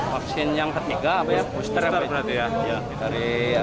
vaksin yang ketiga booster berarti ya